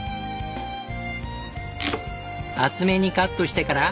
厚めにカットしてから。